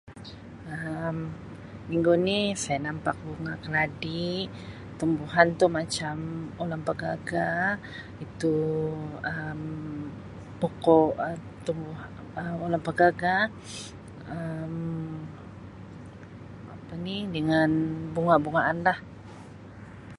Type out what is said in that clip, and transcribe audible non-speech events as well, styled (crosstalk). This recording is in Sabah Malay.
Um Minggu ni saya nampak Bunga Keladi. Tumbuhan tu macam ulam pegaga itu Um pokok [Um]tumbu- Um ulam pegaga (noise) Um apa ni dengan bunga-bungaan lah.